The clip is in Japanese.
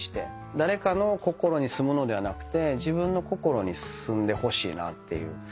誰かの心に住むのではなくて自分の心に住んでほしいなっていう。